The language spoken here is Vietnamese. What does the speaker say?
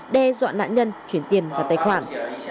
đe dọa nạn nhân chuyển tiền vào tài khoản